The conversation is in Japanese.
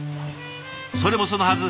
それもそのはず